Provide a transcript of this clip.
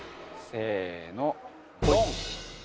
せーのドン！